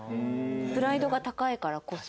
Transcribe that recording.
プライドが高いからこそ。